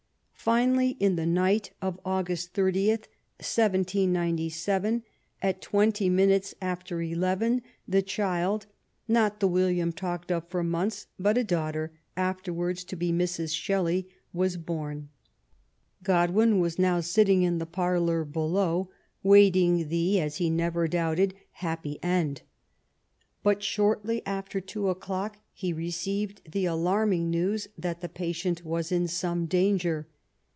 Finally, in the night of August 30th, 1797, at twenty minutes after eleven, the child — ^not the William talked of for months, but a daughter, afterwards to be Mrs. Shelley — was born. Godwin was now sitting in the parlour below, waiting the, as he never doubted, happy LAST MONTHS: DEATH. 201 end. But shortly after two o'clock lie received the alarming news that the patient was in some danger.